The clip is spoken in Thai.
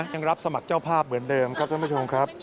ยังรับสมัครเจ้าภาพเหมือนเดิมครับท่านผู้ชมครับ